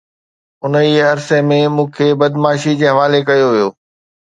انهيءَ عرصي ۾ مون کي بدعاشمي جي حوالي ڪيو ويو